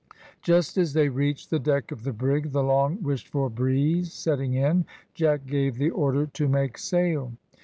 Just as they reached the deck of the brig, the long wished for breeze setting in, Jack gave the order to make sail.